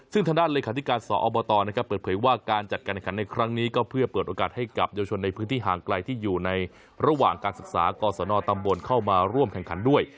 ซึ่งทางด้านเลขาธิการสอบตเปิดเผยว่าการจัดการแข่งขันในครั้งนี้ก็เพื่อเปิดโอกาสให้กับเยาวชนในพื้นที่ห่างไกลที่อยู่ในระหว่างการศึกษากศนตำบลเข้ามาร่วมแข่งขันด้วย